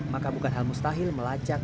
maka bukan hal mustahil melacak